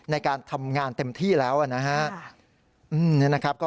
ในการทำงานเต็มที่แล้วนะครับ